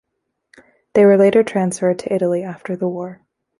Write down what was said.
They were later transferred to Italy after the war.